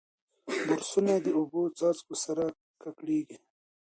برسونه د اوبو څاڅکو سره ککړېږي.